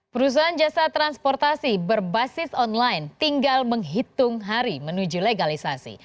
perusahaan jasa transportasi berbasis online tinggal menghitung hari menuju legalisasi